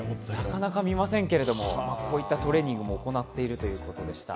なかなか見ませんけれども、こういったトレーニングも行っているということでした。